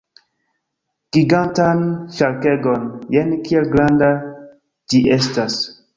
Gigantan ŝarkegon! Jen kiel granda ĝi estas!